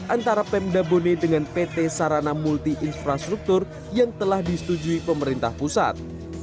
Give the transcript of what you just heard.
antara pemda bone dengan pt sarana multi infrastruktur yang telah disetujui pemerintah pusat